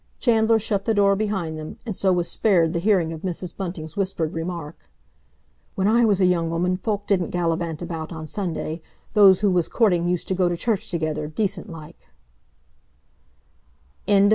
Chandler shut the door behind them, and so was spared the hearing of Mrs. Bunting's whispered remark: "When I was a young woman folk didn't gallivant about on Sunday; those who was courting used to go to church together, decent like—" CHAPTER XXV.